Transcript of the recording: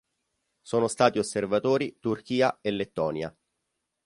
Sono Stati osservatori: Turchia e Lettonia.